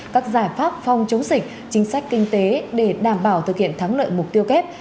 các giải pháp phòng chống dịch chính sách kinh tế để đảm bảo thực hiện thắng lợi mục tiêu kép